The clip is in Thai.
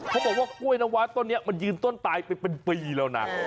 เขาบอกว่ากล้วยน้ำว้าต้นนี้มันยืนต้นตายไปเป็นปีแล้วนะ